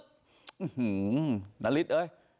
อื้อหือนาริสเอ๊ย